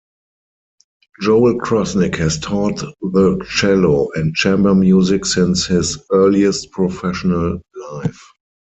Joel Krosnick has taught the cello and chamber music since his earliest professional life.